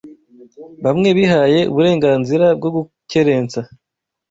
Bamwe bihaye uburenganzira bwo gukerensa